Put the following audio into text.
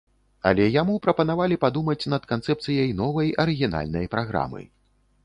Але яму прапанавалі падумаць над канцэпцыяй новай арыгінальнай праграмы.